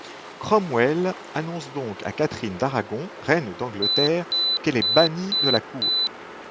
Cromwell annonce donc à Catherine d'Aragon, reine d'Angleterre, qu'elle est bannie de la cour.